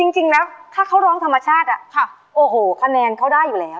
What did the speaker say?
จริงแล้วถ้าเขาร้องธรรมชาติโอ้โหคะแนนเขาได้อยู่แล้ว